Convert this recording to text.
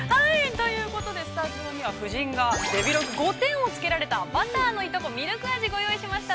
◆ということで、スタジオには、夫人がデヴィログ５点をつけられた、バターのいとこミルク味をご用意しました。